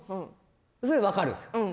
それも分かるんです。